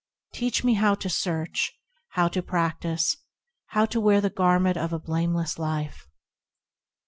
Teach me how to search, How to practise, How to wear the garment of a blameless life.